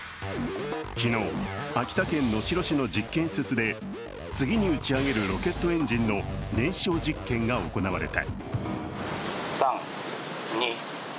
昨日、秋田県能代市の実験施設で次に打ち上げるロケットエンジンの燃焼実験が行われた。